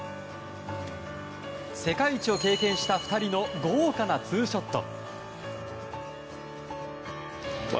世界一を経験した２人の豪華なツーショット。